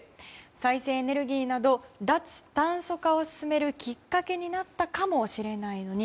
再生エネルギーなど脱炭素化を進めるきっかけになったかもしれないのに。